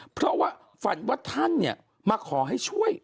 เพราะว่าฝันว่าท่านมาขอให้ช่วย